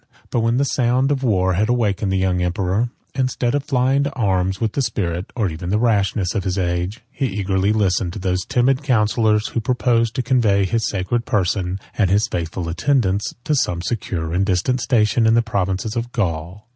But when the sound of war had awakened the young emperor, instead of flying to arms with the spirit, or even the rashness, of his age, he eagerly listened to those timid counsellors, who proposed to convey his sacred person, and his faithful attendants, to some secure and distant station in the provinces of Gaul.